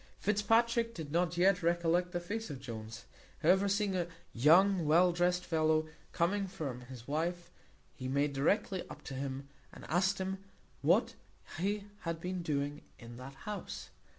Fitzpatrick did not yet recollect the face of Jones; however, seeing a young well dressed fellow coming from his wife, he made directly up to him, and asked him what he had been doing in that house?